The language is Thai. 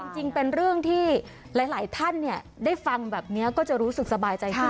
จริงเป็นเรื่องที่หลายท่านได้ฟังแบบนี้ก็จะรู้สึกสบายใจขึ้น